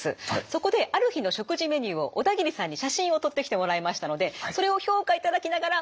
そこである日の食事メニューを小田切さんに写真を撮ってきてもらいましたのでそれを評価いただきながら教えてもらいます。